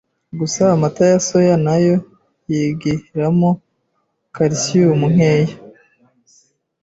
gusa amata ya soya na yo yigiramo ‘calcium’ nkeya